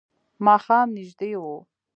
ماښام نژدې و.